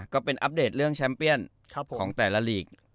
ก็เป็นอัปเดตเรื่องแชมเปียนของแต่ละลีก